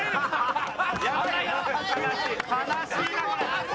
悲しいなこれ。